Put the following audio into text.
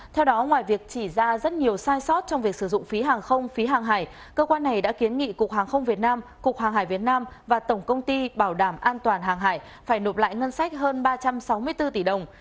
theo đó ngoài việc chỉ ra rất nhiều sai sót trong việc sử dụng phí hàng không phí hàng hải cơ quan này đã kiến nghị cục hàng không việt nam cục hàng hải việt nam và tổng công ty bảo đảm an toàn hàng hải phải nộp lại ngân sách hơn ba trăm sáu mươi bốn tỷ đồng